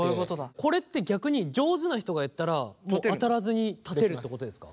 これって逆に上手な人がやったら当たらずに立てるってことですか？